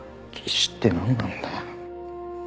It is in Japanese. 技師って何なんだよ